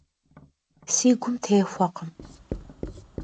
Si gum têxuekhım.